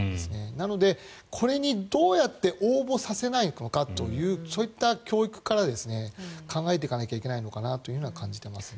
なので、これにどうやって応募させないのかというそういった教育から考えていかなければいけないのかなと感じますね。